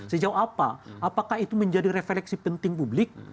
sejauh apa apakah itu menjadi refleksi penting publik